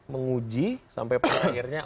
menguji sampai pikirnya